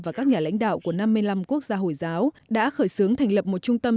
và các nhà lãnh đạo của năm mươi năm quốc gia hồi giáo đã khởi xướng thành lập một trung tâm